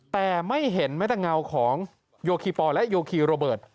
แต่ไม่เห็นแม้แต่เงาของโยคีปอลและโยคีโรเบิร์ต